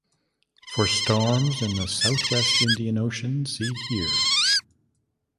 For storms in the South-West Indian Ocean, see here.